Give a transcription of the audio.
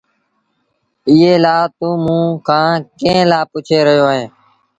ايٚئي لآ توٚنٚ موٚنٚ کآݩ ڪݩهݩ لآ پُڇي رهيو اهينٚ؟